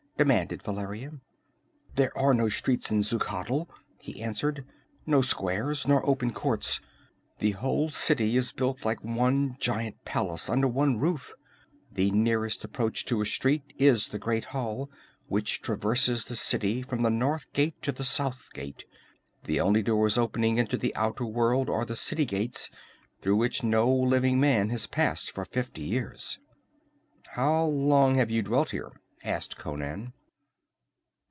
demanded Valeria. "There are no streets in Xuchotl," he answered. "No squares nor open courts. The whole city is built like one giant palace under one great roof. The nearest approach to a street is the Great Hall which traverses the city from the north gate to the south gate. The only doors opening into the outer world are the city gates, through which no living man has passed for fifty years." "How long have you dwelt here?" asked Conan.